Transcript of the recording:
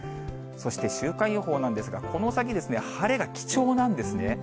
そして週間予報なんですが、この先、晴れが貴重なんですね。